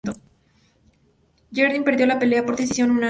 Jardine perdió la pelea por decisión unánime.